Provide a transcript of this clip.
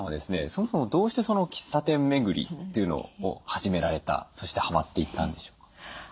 そもそもどうして喫茶店巡りというのを始められたそしてはまっていったんでしょうか？